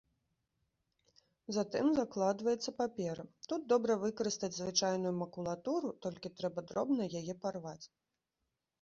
Затым закладваецца папера, тут добра выкарыстаць звычайную макулатуру, толькі трэба дробна яе парваць.